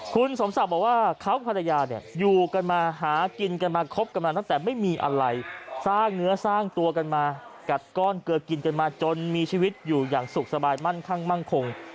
คุณสมศักดิ์บอกว่าเขาภรรยาเนี่ยอยู่กันมาหากินกันมาคบกันมาตั้งแต่ไม่มีอะไรสร้างเนื้อสร้างตัวกันมากัดก้อนเกลือกินกันมาจนมีชีวิตอยู่อย่างสุขสบายมั่นข้างมั่งคง